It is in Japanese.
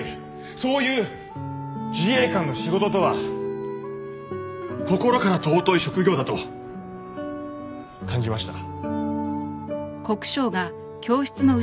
そういう自衛官の仕事とは心から尊い職業だと感じました。